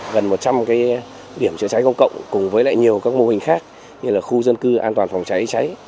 gần một trăm linh điểm chữa cháy công cộng cùng với lại nhiều các mô hình khác như là khu dân cư an toàn phòng cháy cháy